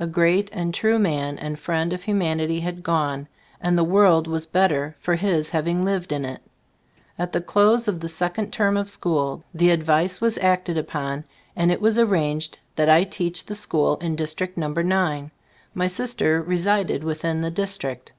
A great and true man and friend of humanity had gone, and the world was better for his having lived in it. At the <Iose of the second term of school, the advice was acted upon, and it was arranged that I teach the school in District No. 9. My sister resided within the district.